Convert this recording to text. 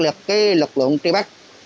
lực lượng tri bắt